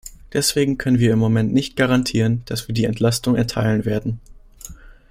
Deswegen können wir im Moment nicht garantieren, dass wir die Entlastung erteilen werden.